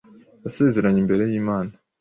yasezeranye imbere y’Imana